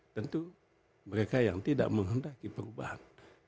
tentu mereka yang tidak menghendaki perubahan